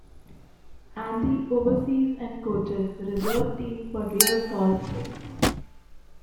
Andy oversees and coaches the reserve team for Real Salt Lake.